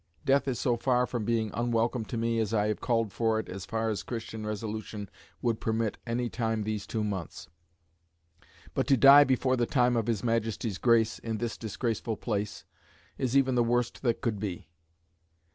Death is so far from being unwelcome to me, as I have called for it as far as Christian resolution would permit any time these two months. But to die before the time of his Majesty's grace, in this disgraceful place, is even the worst that could be."